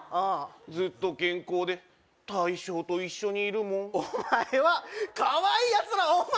ずっと健康で大将と一緒にいるもんお前はかわいいやつだなお前